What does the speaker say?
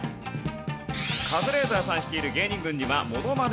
カズレーザーさん率いる芸人軍にはモノマネ